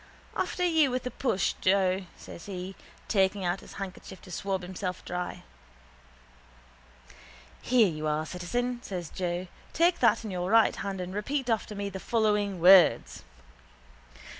—After you with the push, Joe, says he, taking out his handkerchief to swab himself dry. —Here you are, citizen, says Joe. Take that in your right hand and repeat after me the following words.